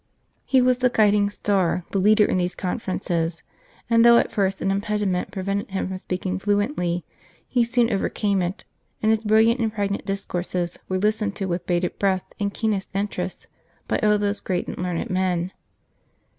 He was the guiding star, the leader in these conferences ; and though at first an impediment prevented him from speak ing fluently, he soon overcame it, and his brilliant and pregnant discourses were listened to with bated breath and keenest interest by all these great and learned men.